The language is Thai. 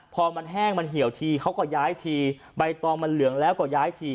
พอมันแห้งมันเหี่ยวทีเขาก็ย้ายทีใบตองมันเหลืองแล้วก็ย้ายที